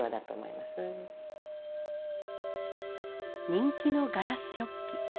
人気のガラス食器。